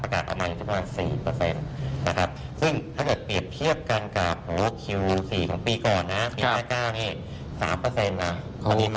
คราภจะออกปรากฎอำนาจจุดมันออก๔เปอร์เซ็นต์นะครับ